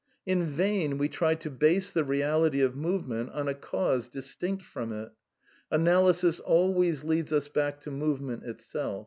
" In vain we try to base the reality of movement on a cause distinct from it; analysis always leads us back to movement itseK."